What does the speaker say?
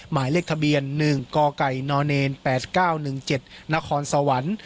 หมายเลขทะเบียน๑กกน๘๙๑๗นครสวรรค์